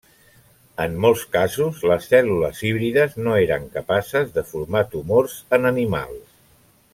En molts casos, les cèl·lules híbrides no eren capaces de formar tumors en animals.